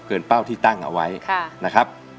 เป้าที่ตั้งเอาไว้นะครับ